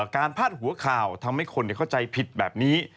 พาดหัวข่าวทำให้คนเข้าใจผิดแบบนี้